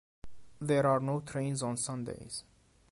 There are no trains on Sundays.